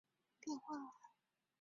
拉库尔圣皮埃尔人口变化图示